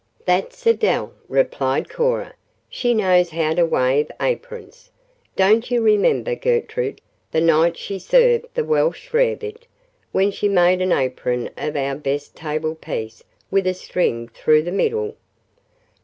"That's Adele," replied Cora. "She knows how to wave aprons. Don't you remember, Gertrude, the night she served the Welsh rarebit, when she made an apron of our best table piece with a string through the middle?"